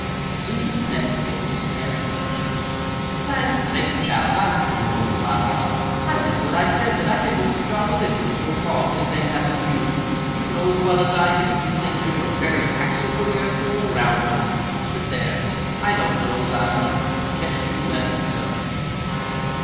Susan Betts gave a despairing gesture. "Lan' sakes, child, how you do hold a body up! I meant what I said that I didn't want the job of livin' with your pa if anything happened to you. You know as well as I do that he thinks you're the very axle for the earth to whirl 'round on. But, there, I don't know as I wonder jest you left, so!"